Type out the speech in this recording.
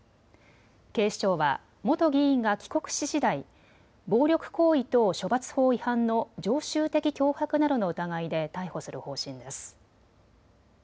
警視庁は元議員が帰国ししだい暴力行為等処罰法違反の常習的脅迫などの疑いで逮捕する方針です。